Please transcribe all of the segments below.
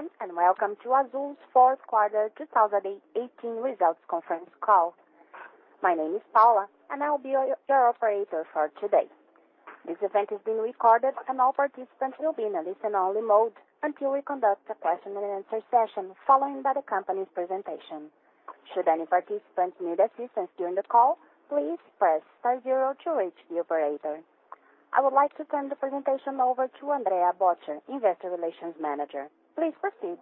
Hello, everyone, welcome to Azul's fourth quarter 2018 results conference call. My name is Paula, and I will be your operator for today. This event is being recorded and all participants will be in a listen-only mode until we conduct a question and answer session, followed by the company's presentation. Should any participants need assistance during the call, please press five zero to reach the operator. I would like to turn the presentation over to Andrea Böttcher, Investor Relations Manager. Please proceed.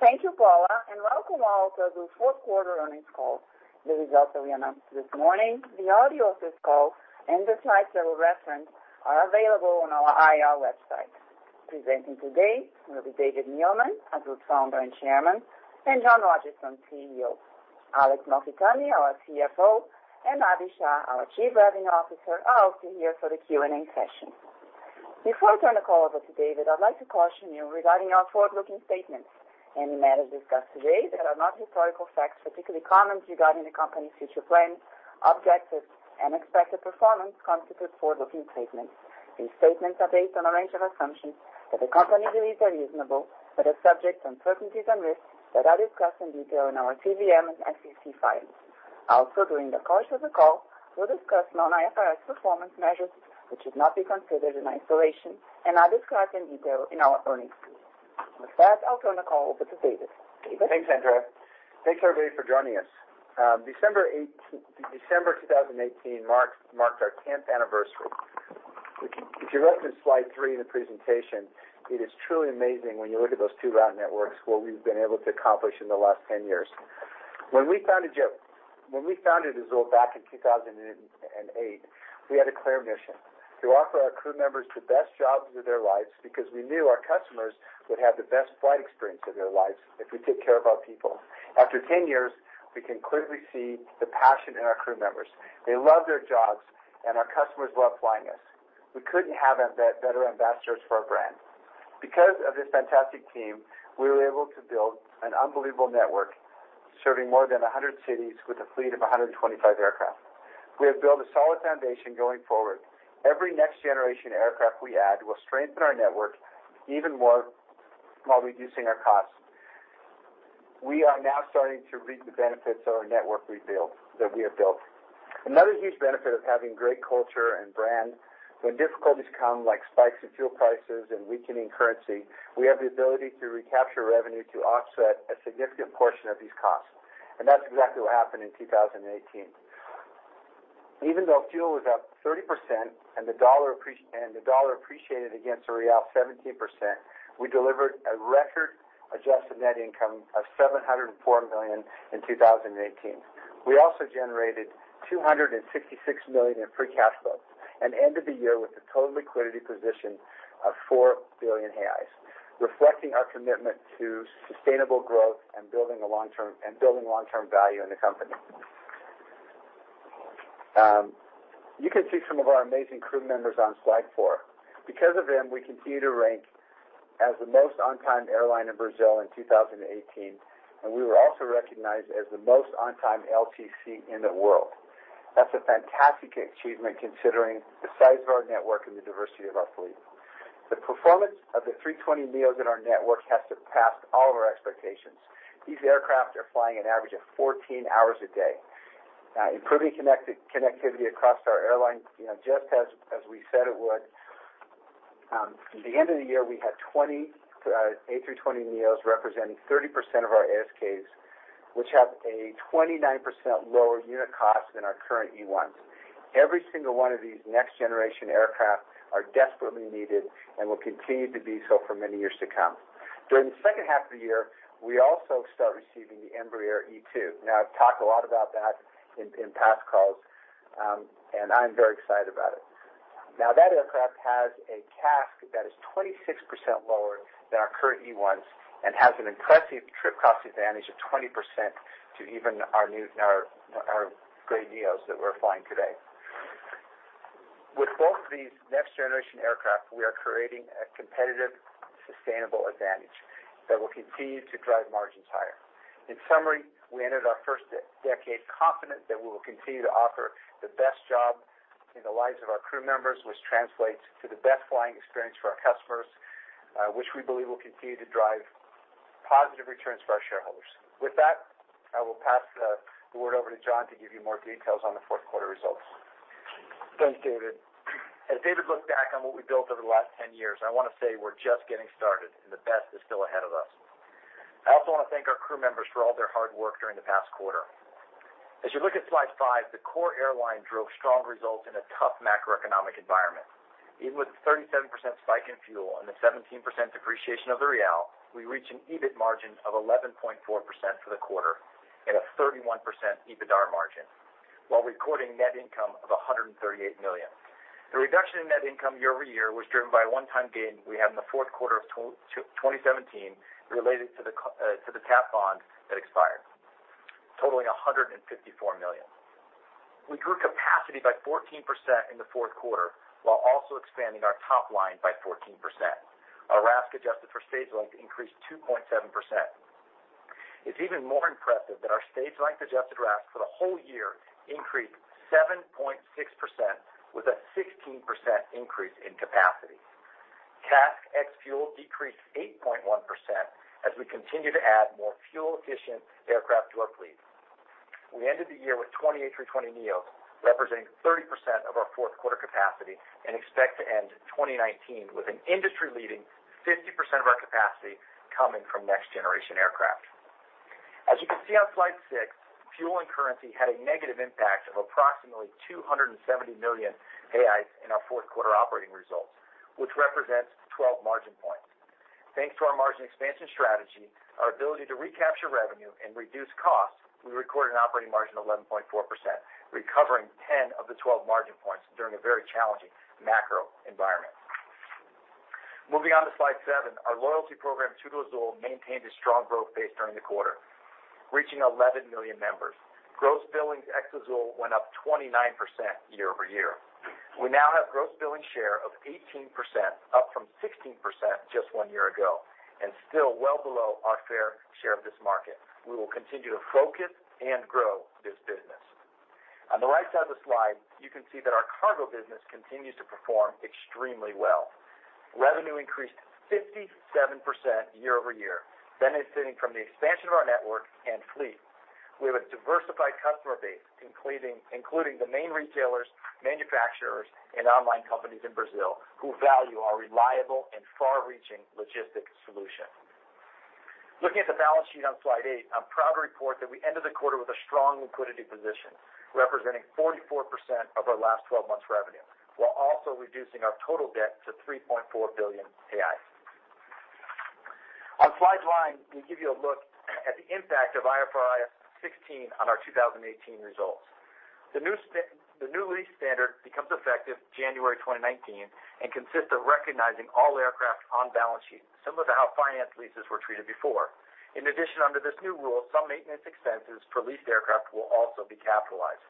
Thank you, Paula, welcome all to Azul's fourth quarter earnings call. The results that we announced this morning, the audio of this call, and the slides that we reference are available on our IR website. Presenting today will be David Neeleman, Azul's Founder and Chairman, John Rodgerson, CEO. Alex Malfitani, our CFO, and Abhi Shah, our Chief Revenue Officer, are also here for the Q&A session. Before I turn the call over to David, I'd like to caution you regarding our forward-looking statements. Any matters discussed today that are not historical facts, particularly comments regarding the company's future plans, objectives, and expected performance constitute forward-looking statements. These statements are based on a range of assumptions that the company believes are reasonable, but are subject to uncertainties and risks that are discussed in detail in our TDM and SEC filings. During the course of the call, we'll discuss non-IFRS performance measures, which should not be considered in isolation and are described in detail in our earnings release. With that, I'll turn the call over to David. David? Thanks, Andrea. Thanks, everybody, for joining us. December 2018 marked our 10th anniversary. If you look at slide three in the presentation, it is truly amazing when you look at those two route networks, what we've been able to accomplish in the last 10 years. When we founded Azul back in 2008, we had a clear mission, to offer our crew members the best jobs of their lives because we knew our customers would have the best flight experience of their lives if we took care of our people. After 10 years, we can clearly see the passion in our crew members. They love their jobs and our customers love flying us. We couldn't have better ambassadors for our brand. Because of this fantastic team, we were able to build an unbelievable network serving more than 100 cities with a fleet of 125 aircraft. We have built a solid foundation going forward. Every next-generation aircraft we add will strengthen our network even more while reducing our costs. We are now starting to reap the benefits of our network that we have built. Another huge benefit of having great culture and brand, when difficulties come, like spikes in fuel prices and weakening currency, we have the ability to recapture revenue to offset a significant portion of these costs. That's exactly what happened in 2018. Even though fuel was up 30% and the dollar appreciated against the BRL 17%, we delivered a record adjusted net income of 704 million in 2018. We also generated 266 million in free cash flow and ended the year with a total liquidity position of 4 billion reais, reflecting our commitment to sustainable growth and building long-term value in the company. You can see some of our amazing crew members on slide four. Because of them, we continue to rank as the most on-time airline in Brazil in 2018, and we were also recognized as the most on-time LCC in the world. That's a fantastic achievement considering the size of our network and the diversity of our fleet. The performance of the A320neo in our network has surpassed all of our expectations. These aircraft are flying an average of 14 hours a day. Improving connectivity across our airline, just as we said it would. At the end of the year, we had 28 A320neo representing 30% of our ASKs, which have a 29% lower unit cost than our current E1s. Every single one of these next-generation aircraft are desperately needed and will continue to be so for many years to come. During the second half of the year, we also start receiving the Embraer E2. I've talked a lot about that in past calls. I'm very excited about it. That aircraft has a CASK that is 26% lower than our current E1s and has an impressive trip cost advantage of 20% to even our great NEOs that we're flying today. With both of these next-generation aircraft, we are creating a competitive, sustainable advantage that will continue to drive margins higher. In summary, we entered our first decade confident that we will continue to offer the best job in the lives of our crew members, which translates to the best flying experience for our customers, which we believe will continue to drive positive returns for our shareholders. With that, I will pass the board over to John to give you more details on the fourth quarter results. Thanks, David. As David looked back on what we built over the last 10 years, I want to say we're just getting started. The best is still ahead of us. I also want to thank our crew members for all their hard work during the past quarter. As you look at slide five, the core airline drove strong results in a tough macroeconomic environment. Even with a 37% spike in fuel and the 17% depreciation of the BRL, we reached an EBIT margin of 11.4% for the quarter and a 31% EBITDAR margin while recording net income of 138 million. The reduction in net income YoY was driven by a one-time gain we had in the fourth quarter of 2017 related to the TAP bond that expired, totaling 154 million. We grew capacity by 14% in the fourth quarter while also expanding our top line by 14%. Our RASK, adjusted for stage length, increased 2.7%. It's even more impressive that our stage length adjusted RASK for the whole year increased 7.6% with a 16% increase in capacity. CASK ex-fuel decreased 8.1% as we continue to add more fuel-efficient aircraft to our fleet. We ended the year with 28 A320neo, representing 30% of our fourth quarter capacity, and expect to end 2019 with an industry-leading 50% of our capacity coming from next-generation aircraft. As you can see on slide seven, fuel and currency had a negative impact of approximately 270 million reais in our fourth quarter operating results, which represents 12 margin points. Thanks to our margin expansion strategy, our ability to recapture revenue and reduce costs, we recorded an operating margin of 11.4%, recovering 10 of the 12 margin points during a very challenging macro environment. Moving on to slide seven, our loyalty program, TudoAzul, maintained a strong growth pace during the quarter, reaching 11 million members. Gross billings ex-Azul went up 29% YoY. We now have gross billing share of 18%, up from 16% just one year ago, and still well below our fair share of this market. We will continue to focus and grow this business. On the right side of the slide, you can see that our cargo business continues to perform extremely well. Revenue increased 57% YoY, benefiting from the expansion of our network and fleet. We have a diversified customer base, including the main retailers, manufacturers, and online companies in Brazil who value our reliable and far-reaching logistics solution. Looking at the balance sheet on slide eight, I'm proud to report that we ended the quarter with a strong liquidity position representing 44% of our last 12 months revenue, while also reducing our total debt to 3.4 billion. On slide nine, we give you a look at the impact of IFRS 16 on our 2018 results. The new lease standard becomes effective January 2019 and consists of recognizing all aircraft on balance sheet, similar to how finance leases were treated before. In addition, under this new rule, some maintenance expenses for leased aircraft will also be capitalized.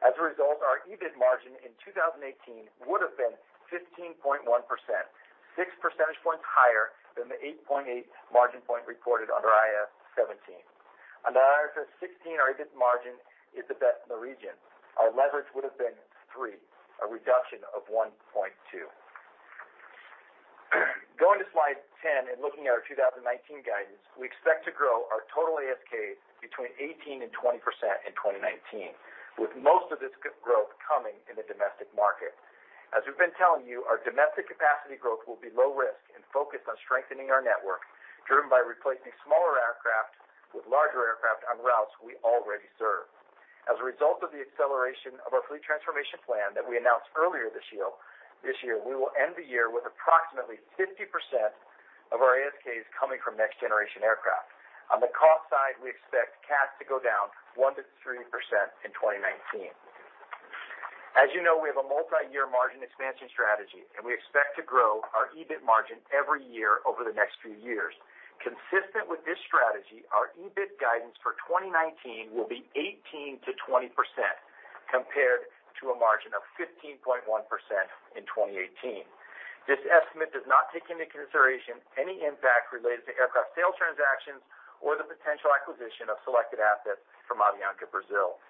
As a result, our EBIT margin in 2018 would've been 15.1%, six percentage points higher than the 8.8 margin point reported under IAS 17. Under IFRS 16, our EBIT margin is the best in the region. Our leverage would've been three, a reduction of 1.2. Going to slide 10 and looking at our 2019 guidance, we expect to grow our total ASKs between 18% and 20% in 2019, with most of this growth coming in the domestic market. As we've been telling you, our domestic capacity growth will be low risk and focused on strengthening our network, driven by replacing smaller aircraft with larger aircraft on routes we already serve. As a result of the acceleration of our fleet transformation plan that we announced earlier this year, we will end the year with approximately 50% of our ASKs coming from next-generation aircraft. On the cost side, we expect CASK to go down 1%-3% in 2019. As you know, we have a multi-year margin expansion strategy, and we expect to grow our EBIT margin every year over the next few years. Consistent with this strategy, our EBIT guidance for 2019 will be 18%-20% compared to a margin of 15.1% in 2018. This estimate does not take into consideration any impact related to aircraft sales transactions or the potential acquisition of selected assets from Avianca Brasil.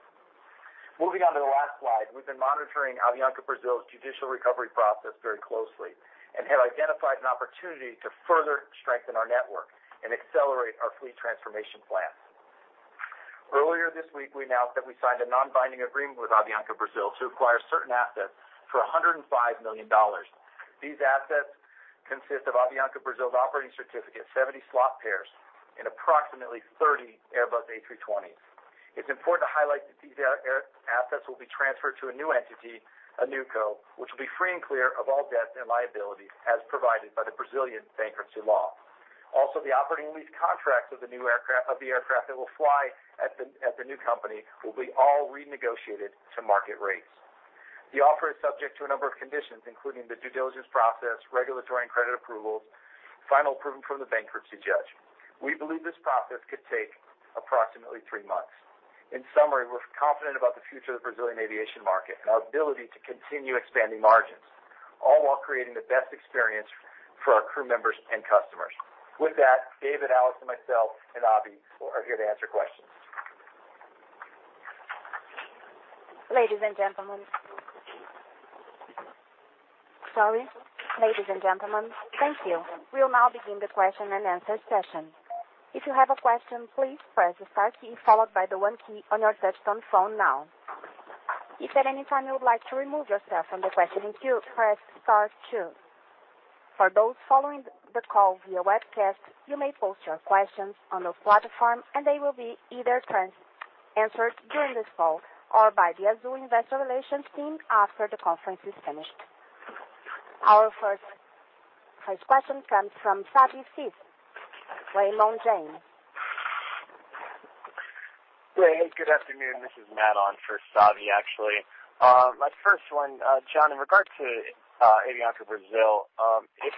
Moving on to the last slide, we've been monitoring Avianca Brasil's judicial recovery process very closely and have identified an opportunity to further strengthen our network and accelerate our fleet transformation plans. Earlier this week, we announced that we signed a non-binding agreement with Avianca Brasil to acquire certain assets for BRL 105 million. These assets consist of Avianca Brasil's operating certificate, 70 slot pairs, and approximately 30 Airbus A320s. It's important to highlight that these assets will be transferred to a new entity, a new co, which will be free and clear of all debt and liability as provided by the Brazilian bankruptcy law. The operating lease contracts of the aircraft that will fly at the new company will be all renegotiated to market rates. The offer is subject to a number of conditions, including the due diligence process, regulatory and credit approvals, final approval from the bankruptcy judge. We believe this process could take approximately three months. In summary, we're confident about the future of the Brazilian aviation market and our ability to continue expanding margins, all while creating the best experience for our crew members and customers. With that, Dave and Alex, myself, and Abhi are here to answer questions. Ladies and gentlemen. Sorry. Ladies and gentlemen, thank you. We'll now begin the question-and-answer session. If you have a question, please press the star key followed by the one key on your touchtone phone now. If at any time you would like to remove yourself from the questioning queue, press star two. For those following the call via webcast, you may post your questions on the platform, and they will be either answered during this call or by the Azul investor relations team after the conference is finished. Our first question comes from Savi Syth, Raymond James. Hey. Good afternoon. This is Matt on for Savi, actually. My first one, John, in regard to Avianca Brasil, if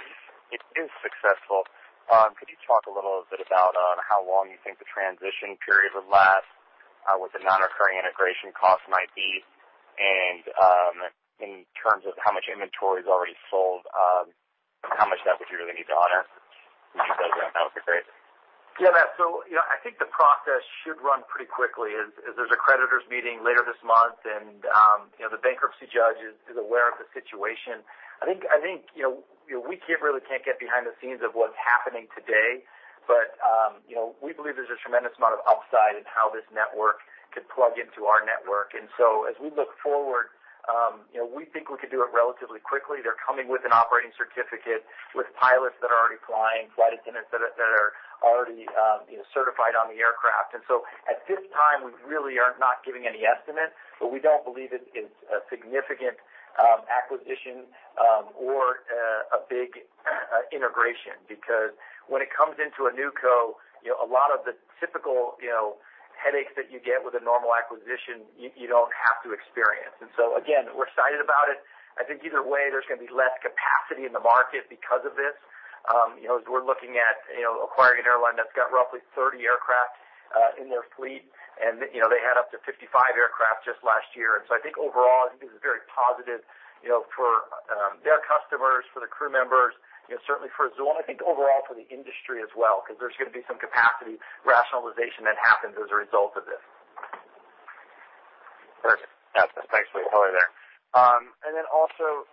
it is successful, could you talk a little bit about how long you think the transition period would last? What the non-recurring integration cost might be, in terms of how much inventory is already sold, how much of that would you really need to honor when you close down? That would be great. Yeah, Matt. I think the process should run pretty quickly. There's a creditors meeting later this month, the bankruptcy judge is aware of the situation. I think we really can't get behind the scenes of what's happening today. We believe there's a tremendous amount of upside in how this network could plug into our network. As we look forward, we think we could do it relatively quickly. They're coming with an operating certificate with pilots that are already flying, flight attendants that are already certified on the aircraft. At this time, we really are not giving any estimate, but we don't believe it's a significant acquisition or a big integration, because when it comes into a new co, a lot of the typical headaches that you get with a normal acquisition, you don't have to experience. Again, we're excited about it. I think either way, there's going to be less capacity in the market because of this. As we're looking at acquiring an airline that's got roughly 30 aircraft in their fleet, and they had up to 55 aircraft just last year. I think overall, I think this is very positive for their customers, for the crew members, certainly for Azul, and I think overall for the industry as well, because there's going to be some capacity rationalization that happens as a result of this. Perfect. Thanks for your color there. Also,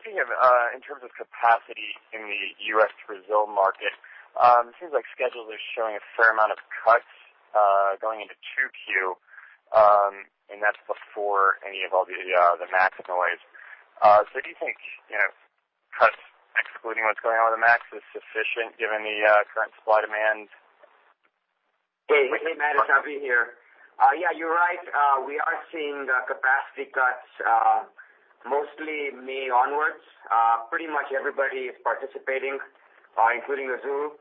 speaking of in terms of capacity in the U.S.-Brazil market, it seems like schedules are showing a fair amount of cuts going into Q2, and that's before any of all the MAX noise. Do you think cuts, excluding what's going on with the MAX, is sufficient given the current supply-demand? Hey, Matt. It's Abhi here. Yeah, you're right. We are seeing the capacity cuts mostly May onwards. Pretty much everybody is participating, including Azul.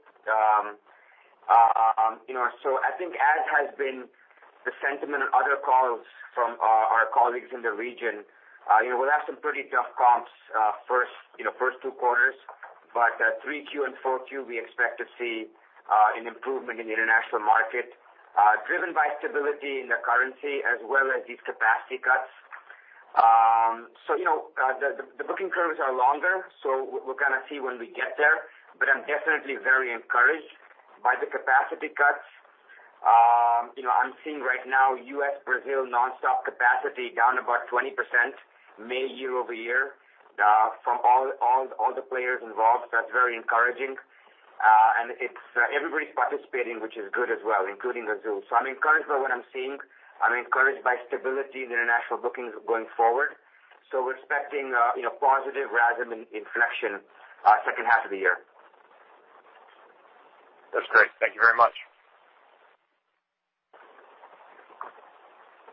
I think as has been the sentiment on other calls from our colleagues in the region, we'll have some pretty tough comps first two quarters. Q3 and Q4, we expect to see an improvement in the international market driven by stability in the currency as well as these capacity cuts. The booking curves are longer, so we're going to see when we get there. I'm definitely very encouraged by the capacity cuts. I'm seeing right now U.S.-Brazil nonstop capacity down about 20% May YoY from all the players involved. That's very encouraging. Everybody's participating, which is good as well, including Azul. I'm encouraged by what I'm seeing. I'm encouraged by stability in international bookings going forward. We're expecting positive RASM inflection second half of the year. That's great. Thank you very much.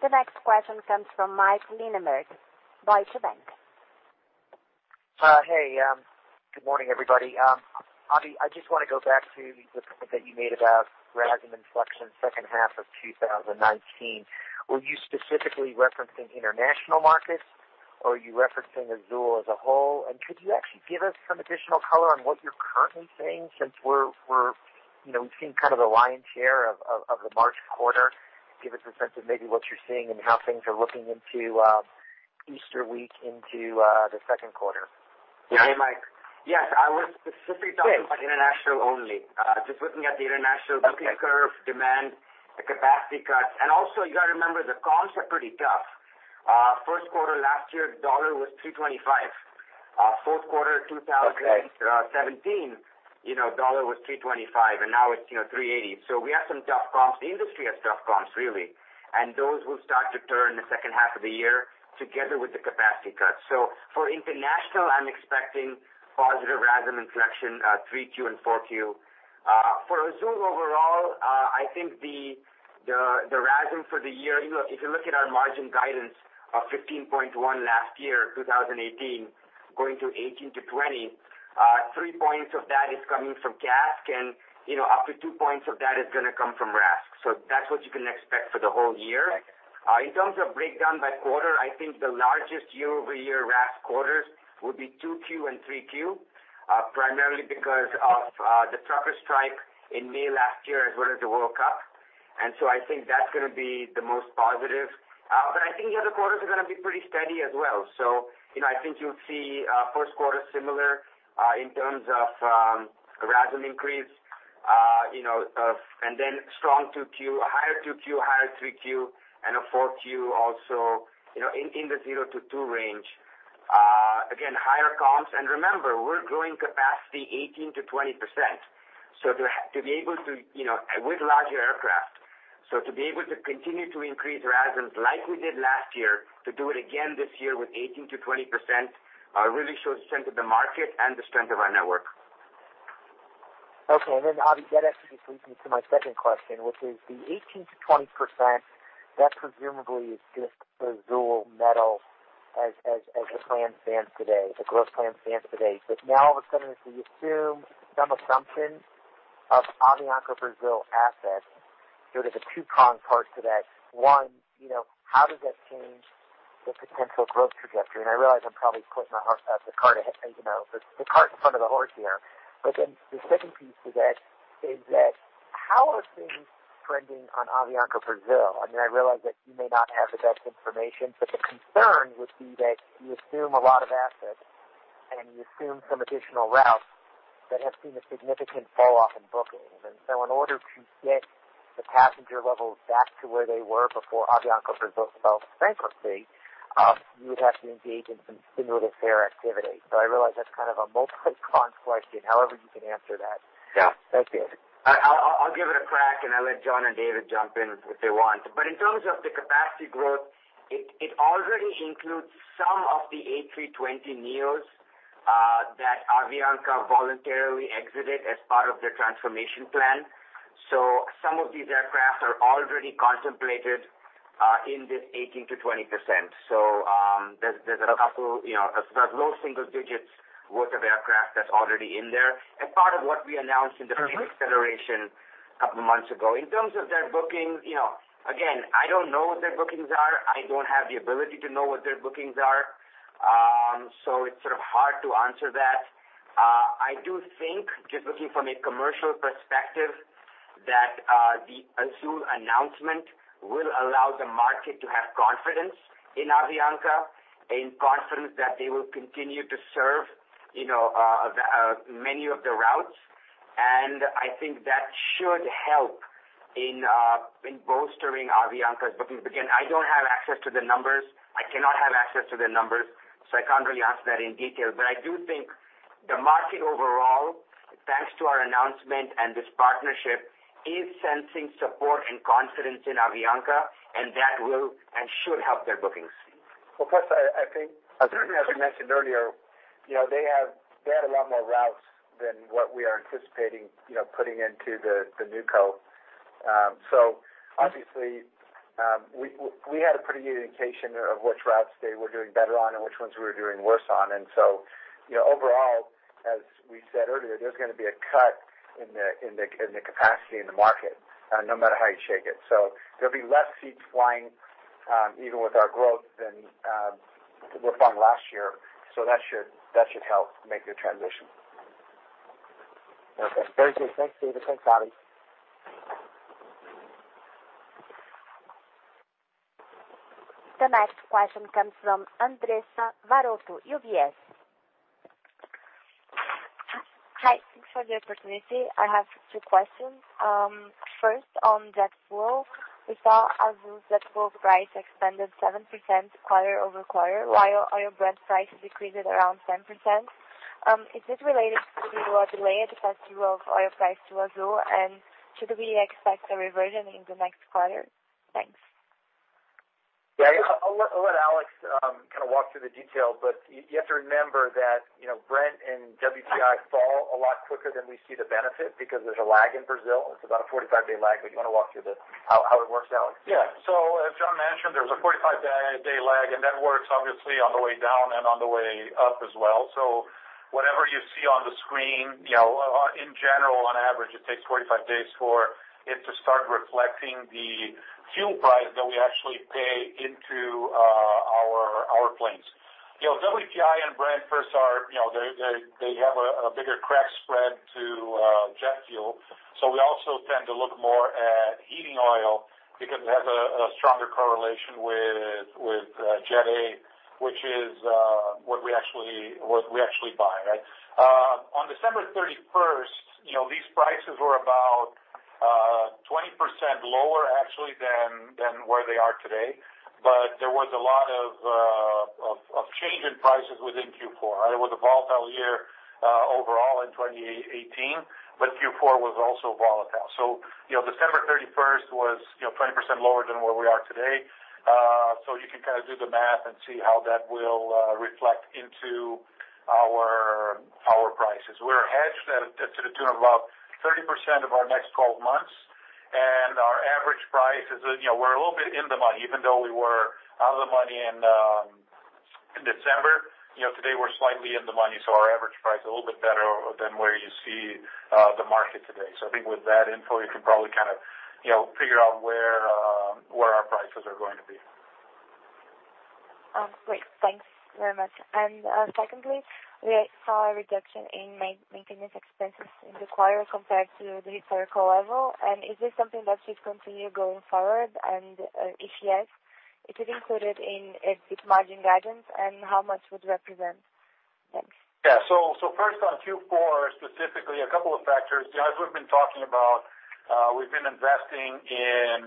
The next question comes from Mike Linenberg, Deutsche Bank. Hey, good morning, everybody. Abhi, I just want to go back to the comment that you made about RASM inflection second half of 2019. Were you specifically referencing international markets, or are you referencing Azul as a whole? Could you actually give us some additional color on what you're currently seeing since we've seen kind of the lion's share of the March quarter? Give us a sense of maybe what you're seeing and how things are looking into Easter week into the second quarter. Hey, Mike. Yes, I was specifically talking Yes. About international only. Just looking at the international Okay. Booking curve, demand, the capacity cuts. Also, you got to remember, the comps are pretty tough. First quarter last year, dollar was 325. Fourth quarter 2017 Okay dollar was 3.25, and now it is 3.80. We have some tough comps. The industry has tough comps, really. Those will start to turn the second half of the year together with the capacity cuts. For international, I am expecting positive RASM inflection Q4 and Q4. For Azul overall, I think the RASM for the year, if you look at our margin guidance of 15.1% last year, 2018, going to 18%-20%, 3 points of that is coming from CASK and up to 2 points of that is going to come from RASK. That is what you can expect for the whole year. Okay. In terms of breakdown by quarter, I think the largest YoY RASK quarters would be Q2 and Q3, primarily because of the trucker strike in May last year as well as the World Cup. I think that is going to be the most positive. I think the other quarters are going to be pretty steady as well. I think you will see first quarter similar in terms of RASM increase, then strong Q2, a higher Q2, higher Q3, and a Q4 also in the 0-2% range. Again, higher comps. Remember, we are growing capacity 18%-20%. With larger aircraft. To be able to continue to increase RASMs like we did last year, to do it again this year with 18%-20% really shows the strength of the market and the strength of our network. Okay. Abhi, that actually just leads me to my second question, which is the 18%-20%, that presumably is just Azul metal as the plan stands today, the growth plan stands today. Now all of a sudden, if we assume some assumption of Avianca Brasil assets, there is a two-prong part to that. One, how does that change the potential growth trajectory, and I realize I am probably putting the cart in front of the horse here. Then the second piece is that, how are things trending on Avianca Brasil? I realize that you may not have the best information, but the concern would be that you assume a lot of assets and you assume some additional routes that have seen a significant falloff in bookings. In order to get the passenger levels back to where they were before Avianca Brasil filed for bankruptcy, you would have to engage in some stimulative fare activity. I realize that is kind of a multi-part question, however you can answer that. Yeah. Thanks, guys. I'll give it a crack, and I'll let John and David jump in if they want. In terms of the capacity growth, it already includes some of the A320neos that Avianca voluntarily exited as part of their transformation plan. Some of these aircraft are already contemplated in this 18%-20%. There's a couple, low single digits worth of aircraft that's already in there. And part of what we announced in the fleet- Okay. Acceleration a couple of months ago. Again, I don't know what their bookings are. I don't have the ability to know what their bookings are. It's sort of hard to answer that. I do think, just looking from a commercial perspective, that the Azul announcement will allow the market to have confidence in Avianca, and confidence that they will continue to serve many of the routes. I think that should help in bolstering Avianca's bookings. Again, I don't have access to the numbers. I cannot have access to the numbers, so I can't really answer that in detail. I do think the market overall, thanks to our announcement and this partnership, is sensing support and confidence in Avianca, and that will and should help their bookings. Plus, I think, as we mentioned earlier, they had a lot more routes than what we are anticipating putting into the NewCo. Obviously, we had a pretty good indication of which routes they were doing better on and which ones we were doing worse on. Overall, as we said earlier, there's going to be a cut in the capacity in the market no matter how you shake it. There'll be less seats flying, even with our growth than we found last year. That should help make the transition. Okay. Very good. Thanks, David. Thanks, Abhi. The next question comes from Andressa Varotto, UBS. Hi. Thanks for the opportunity. I have two questions. First, on jet fuel, we saw Azul's jet fuel price expanded 7% QoQ, while oil Brent price decreased around 10%. Is this related to the delay in the pass through of oil price to Azul, and should we expect a reversion in the next quarter? Thanks. Yeah. I'll let Alex kind of walk through the detail, you have to remember that Brent and WTI fall a lot quicker than we see the benefit because there's a lag in Brazil. It's about a 45-day lag. You want to walk through how it works, Alex? Yeah. As John mentioned, there's a 45-day lag, and that works obviously on the way down and on the way up as well. Whatever you see on the screen, in general, on average, it takes 45 days for it to start reflecting the fuel price that we actually pay into our planes. WTI and Brent, first, they have a bigger crack spread to jet fuel. We also tend to look more at heating oil because it has a stronger correlation with Jet A, which is what we actually buy. On December 31st, these prices were about 20% lower actually than where they are today. There was a lot of change in prices within Q4. It was a volatile year overall in 2018, but Q4 was also volatile. December 31st was 20% lower than where we are today. You can do the math and see how that will reflect into our power prices. We're hedged to the tune of about 30% of our next 12 months. Our average price is, we're a little bit in the money, even though we were out of the money in December. Today we're slightly in the money. Our average price is a little bit better than where you see the market today. I think with that info, you can probably figure out where our prices are going to be. Great. Thanks very much. Secondly, we saw a reduction in maintenance expenses in the quarter compared to the historical level. Is this something that should continue going forward? If yes, is it included in EBIT margin guidance, and how much would it represent? Thanks. Yeah. First, on Q4 specifically, a couple of factors. As we've been talking about, we've been investing in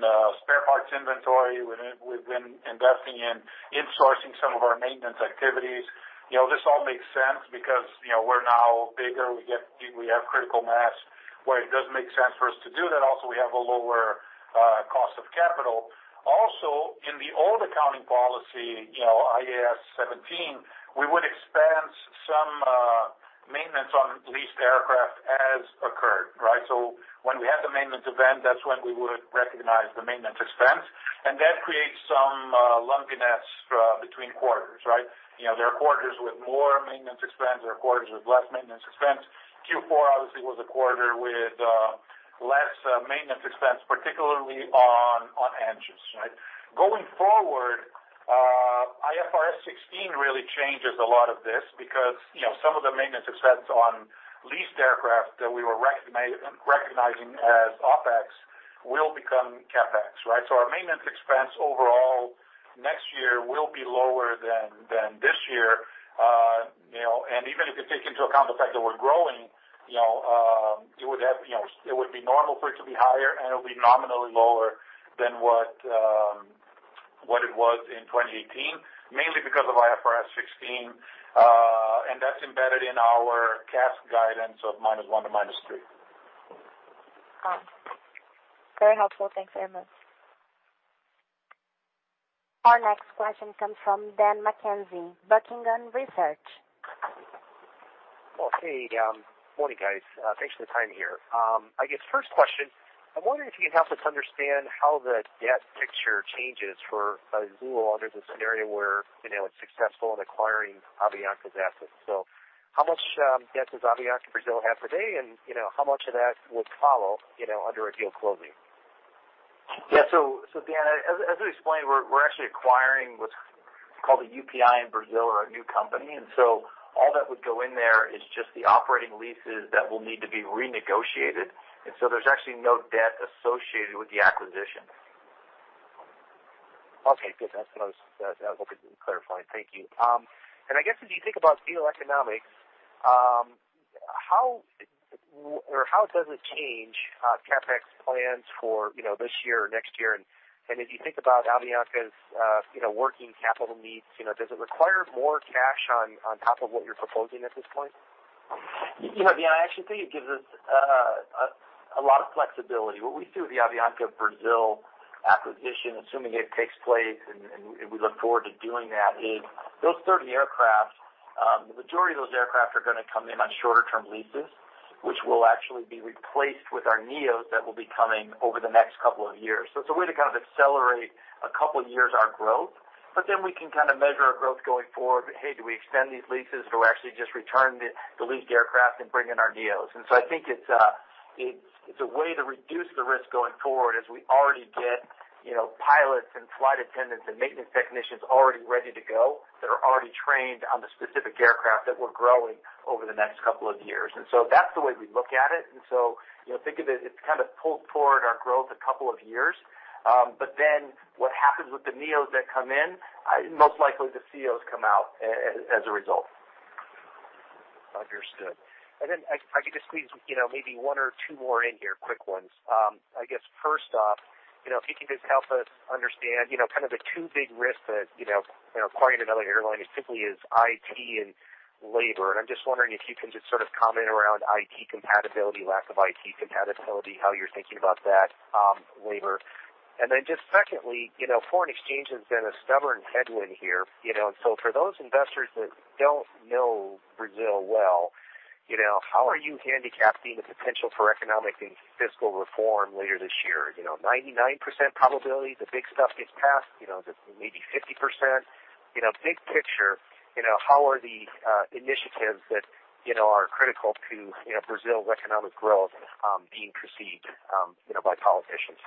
spare parts inventory. We've been investing in insourcing some of our maintenance activities. This all makes sense because we're now bigger. We have critical mass where it does make sense for us to do that. Also, we have a lower cost of capital. Also, in the old accounting policy, IAS 17, we would expense some maintenance on leased aircraft as occurred. When we had the maintenance event, that's when we would recognize the maintenance expense. That creates some lumpiness between quarters. There are quarters with more maintenance expense, there are quarters with less maintenance expense. Q4 obviously was a quarter with less maintenance expense, particularly on engines. Going forward- IFRS 16 really changes a lot of this because some of the maintenance expense on leased aircraft that we were recognizing as OpEx will become CapEx. Our maintenance expense overall next year will be lower than this year. Even if you take into account the fact that we're growing, it would be normal for it to be higher, and it'll be nominally lower than what it was in 2018, mainly because of IFRS 16. That's embedded in our CASK guidance of -1% to -3%. Very helpful. Thanks very much. Our next question comes from Dan McKenzie, Buckingham Research. Well, hey. Morning, guys. Thanks for the time here. I guess first question, I wonder if you can help us understand how the debt picture changes for Azul under the scenario where it's successful in acquiring Avianca's assets. How much debt does Avianca Brasil have today? How much of that would follow under a deal closing? Yeah. Dan, as we explained, we're actually acquiring what's called a UPI in Brazil or a new company. All that would go in there is just the operating leases that will need to be renegotiated. There's actually no debt associated with the acquisition. Okay, good. That's what I was hoping you could clarify. Thank you. I guess as you think about deal economics, how does it change CapEx plans for this year or next year? As you think about Avianca's working capital needs, does it require more cash on top of what you're proposing at this point? Dan, I actually think it gives us a lot of flexibility. What we see with the Avianca Brasil acquisition, assuming it takes place, and we look forward to doing that, is those 30 aircraft, the majority of those aircraft are going to come in on shorter-term leases, which will actually be replaced with our neos that will be coming over the next couple of years. It's a way to kind of accelerate a couple of years our growth, we can kind of measure our growth going forward. Hey, do we extend these leases or actually just return the leased aircraft and bring in our neos? I think it's a way to reduce the risk going forward as we already get pilots and flight attendants and maintenance technicians already ready to go that are already trained on the specific aircraft that we're growing over the next couple of years. That's the way we look at it. Think of it's kind of pulled forward our growth a couple of years. What happens with the neos that come in, most likely the CEOs come out as a result. Understood. If I could just squeeze maybe one or two more in here, quick ones. I guess first off, if you could just help us understand, kind of the two big risks that acquiring another airline is simply is IT and labor. I'm just wondering if you can just sort of comment around IT compatibility, lack of IT compatibility, how you're thinking about that labor. Just secondly, foreign exchange has been a stubborn headwind here. For those investors that don't know Brazil well, how are you handicapping the potential for economic and fiscal reform later this year? 99% probability the big stuff gets passed, maybe 50%. Big picture, how are the initiatives that are critical to Brazil's economic growth being perceived by politicians?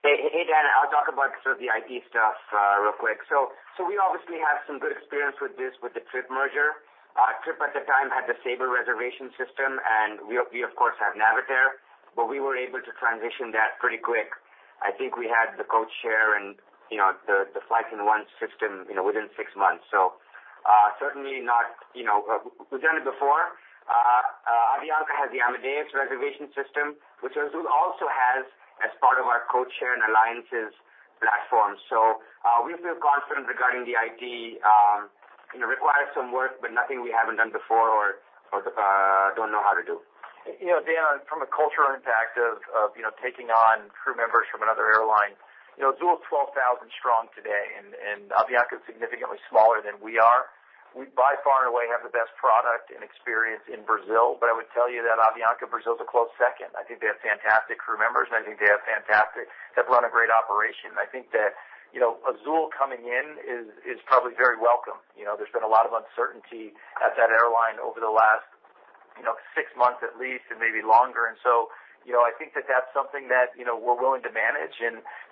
Dan, I'll talk about sort of the IT stuff real quick. We obviously have some good experience with this with the TRIP merger. TRIP at the time had the Sabre reservation system, and we of course have Navitaire, but we were able to transition that pretty quick. I think we had the code share and the flight in one system within six months. Certainly we've done it before. Avianca has the Amadeus reservation system, which Azul also has as part of our code share and alliances platform. We feel confident regarding the IT. It requires some work, but nothing we haven't done before or don't know how to do. Dan, from a cultural impact of taking on crew members from another airline, Azul is 12,000 strong today. Avianca is significantly smaller than we are. We by far and away have the best product and experience in Brazil. I would tell you that Avianca Brasil is a close second. I think they have fantastic crew members, and I think they've run a great operation. I think that Azul coming in is probably very welcome. There's been a lot of uncertainty at that airline over the last six months at least and maybe longer. I think that that's something that we're willing to manage.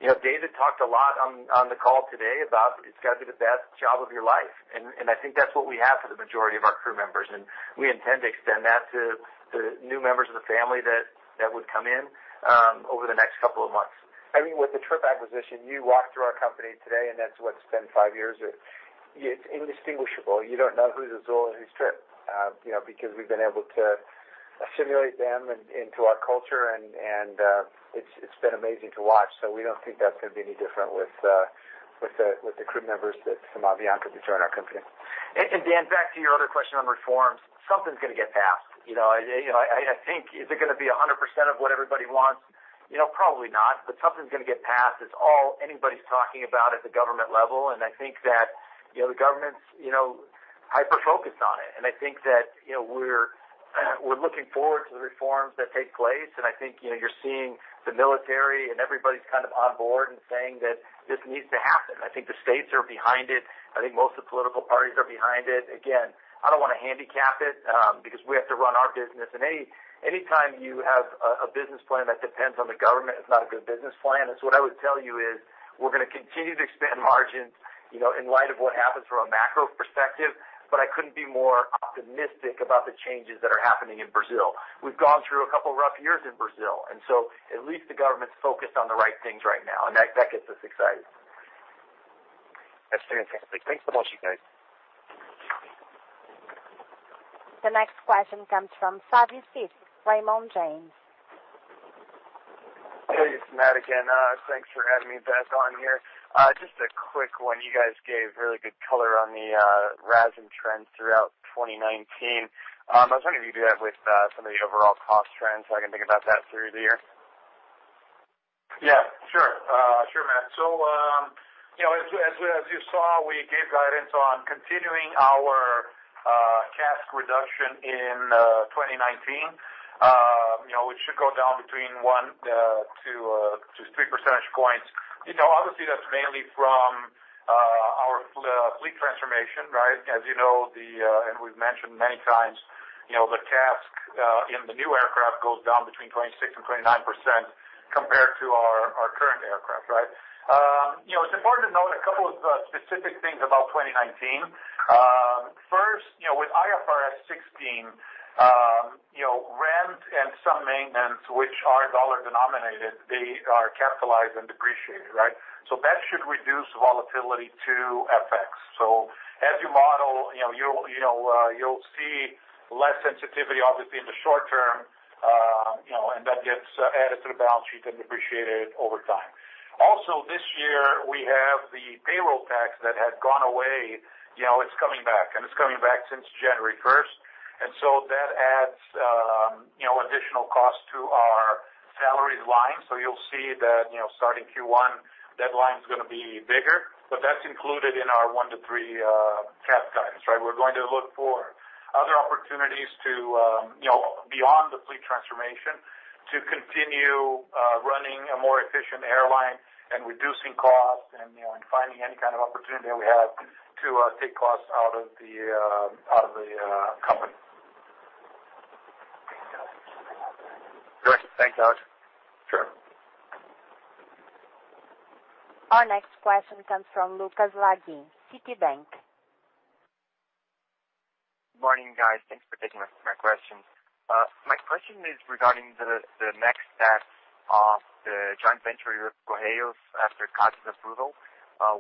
David talked a lot on the call today about it's got to be the best job of your life. I think that's what we have for the majority of our crew members, and we intend to extend that to the new members of the family that would come in over the next couple of months. I mean, with the TRIP acquisition, you walk through our company today, that's what, it's been five years. It's indistinguishable. You don't know who's Azul and who's TRIP because we've been able to assimilate them into our culture, and it's been amazing to watch. We don't think that's going to be any different with the crew members that from Avianca that join our company. Dan, back to your other question on reforms. Something's going to get passed. Is it going to be 100% of what everybody wants? Probably not, something's going to get passed. It's all anybody's talking about at the government level. I think that the government's hyper-focused on it. I think that we're looking forward to the reforms that take place, I think you're seeing the military and everybody's kind of on board and saying that this needs to happen. I think the states are behind it. I think most of the political parties are behind it. Again, I don't want to handicap it because we have to run our business. Any time you have a business plan that depends on the government, it's not a good business plan. What I would tell you is we're going to continue to expand margins in light of what happens from a macro perspective. I couldn't be more optimistic about the changes that are happening in Brazil. We've gone through a couple of rough years in Brazil, at least the government's focused on the right things right now, that gets us excited. That's fantastic. Thanks so much, you guys. The next question comes from Savi Syth, Raymond James. Hey, it's Matt again. Thanks for having me back on here. Just a quick one. You guys gave really good color on the RASM trends throughout 2019. I was wondering if you do that with some of the overall cost trends so I can think about that through the year. Yeah, sure. Sure, Matt. As you saw, we gave guidance on continuing our CASK reduction in 2019, which should go down between one to three percentage points. Obviously, that's mainly from our fleet transformation, right? As you know, and we've mentioned many times, the CASK in the new aircraft goes down between 26%-29% compared to our current aircraft, right? It's important to note a couple of specific things about 2019. First, with IFRS 16, rent and some maintenance, which are dollar-denominated, they are capitalized and depreciated, right? That should reduce the volatility to FX. As you model, you'll see less sensitivity, obviously, in the short term, and that gets added to the balance sheet and depreciated over time. Also, this year, we have the payroll tax that had gone away. It's coming back, and it's coming back since January 1st, that adds additional cost to our salaries line. You'll see that starting Q1, that line is going to be bigger. That's included in our -1% to -3% CASK guidance, right? We're going to look for other opportunities to, beyond the fleet transformation, to continue running a more efficient airline and reducing costs and finding any kind of opportunity that we have to take costs out of the company. Great. Thanks, Alex. Sure. Our next question comes from Lucas Laghi, Citi. Good morning, guys. Thanks for taking my question. My question is regarding the next steps of the joint venture with Correios after CADE's approval.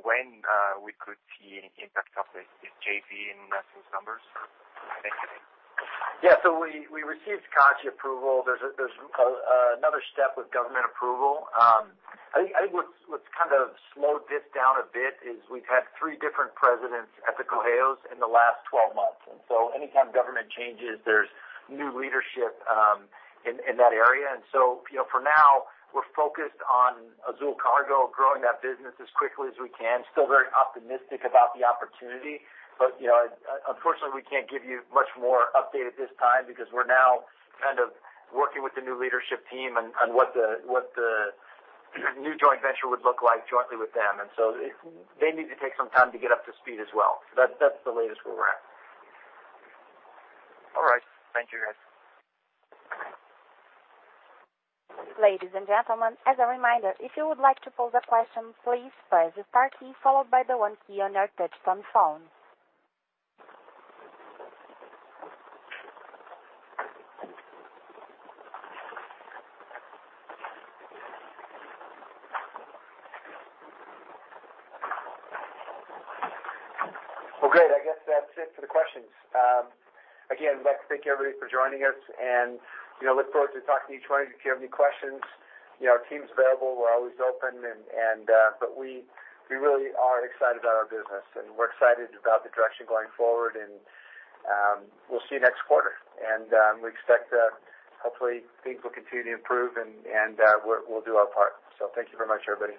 When we could see an impact of this JV in Azul's numbers? Thank you. Yeah. We received CADE approval. There's another step with government approval. I think what's kind of slowed this down a bit is we've had three different presidents at the Correios in the last 12 months. Anytime government changes, there's new leadership in that area. For now, we're focused on Azul Cargo, growing that business as quickly as we can. Still very optimistic about the opportunity. Unfortunately, we can't give you much more update at this time because we're now kind of working with the new leadership team on what the new joint venture would look like jointly with them. They need to take some time to get up to speed as well. That's the latest where we're at. All right. Thank you, guys. Ladies and gentlemen, as a reminder, if you would like to pose a question, please press the star key followed by the one key on your touch-tone phone. Well, great. I guess that's it for the questions. Again, I'd like to thank everybody for joining us, and look forward to talking to each one of you. If you have any questions, our team's available. We're always open, but we really are excited about our business, and we're excited about the direction going forward, and we'll see you next quarter. We expect that hopefully things will continue to improve, and we'll do our part. Thank you very much, everybody.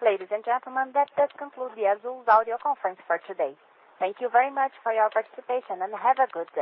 Ladies and gentlemen, that does conclude the Azul's audio conference for today. Thank you very much for your participation, and have a good day.